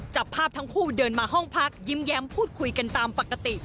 จับภาพทั้งคู่เดินมาห้องพักยิ้มแย้มพูดคุยกันตามปกติ